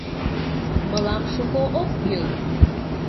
Мылам шуко ок кӱл.